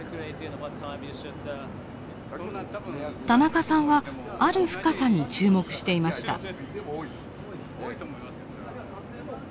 田中さんはある深さに注目していました。